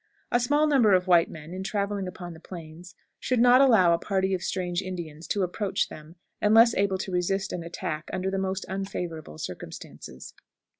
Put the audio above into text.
A small number of white men, in traveling upon the Plains, should not allow a party of strange Indians to approach them unless able to resist an attack under the most unfavorable circumstances.